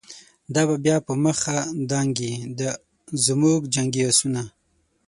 دا به بیا په مخه دانګی، دازموږ جنګی آسونه